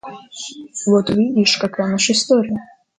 Вот видишь, какая наша история!